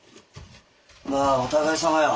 まあお互いさまよ。